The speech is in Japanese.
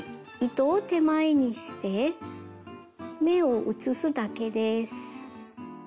糸を手前にして目を移すだけです。